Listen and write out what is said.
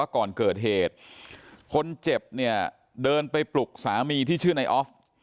ก่อนเกิดเหตุคนเจ็บเนี่ยเดินไปปลุกสามีที่ชื่อนายออฟ